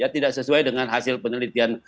tidak sesuai dengan hasil penelitian